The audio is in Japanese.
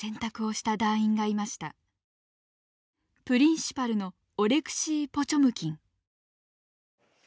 プリンシパルのオレクシー・ポチョムキン。